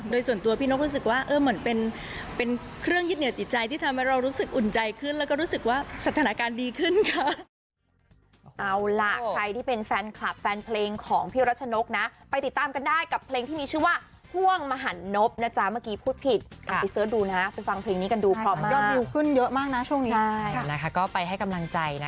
โดยส่วนตัวพี่นกรู้สึกว่าเหมือนเป็นเครื่องยึดเหนียวจิตใจที่ทำให้เรารู้สึกอุ่นใจขึ้นแล้วก็รู้สึกว่าสถานการณ์ดีขึ้นค่ะ